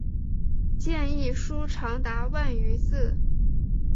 建议书长达万余字。